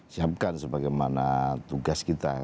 siapkan sebagaimana tugas kita